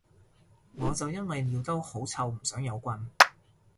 我就因為尿兜好臭唔想有棍